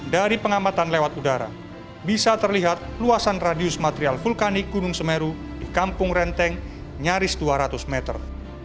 dari pengamatan lewat udara bisa terlihat luasan radius material vulkanik gunung semeru di kampung renteng nyaris dua ratus meter